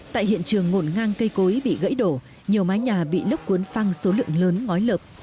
tại hiện trường ngộn ngang cây cối bị gãy đổ nhiều mái nhà bị lốc cuốn phăng số lượng lớn ngói lợp